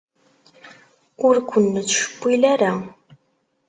Ur ken-nettcewwil ara.